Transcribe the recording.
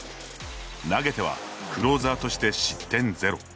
投げてはクローザーとして失点０。